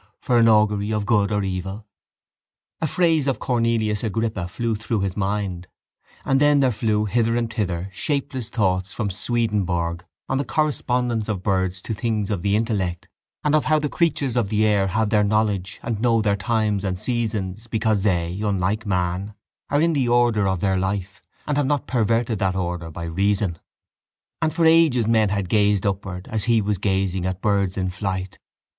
For an augury of good or evil? A phrase of Cornelius Agrippa flew through his mind and then there flew hither and thither shapeless thoughts from Swedenborg on the correspondence of birds to things of the intellect and of how the creatures of the air have their knowledge and know their times and seasons because they, unlike man, are in the order of their life and have not perverted that order by reason. And for ages men had gazed upward as he was gazing at birds in flight.